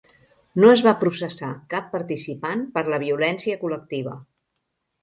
No es va processar cap participant per la violència col·lectiva.